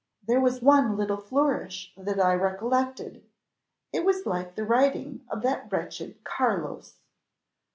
There was one little flourish that I recollected; it was like the writing of that wretched Carlos."